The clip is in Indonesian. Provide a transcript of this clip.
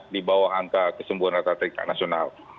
di bawah angka kesembuhan data tingkat nasional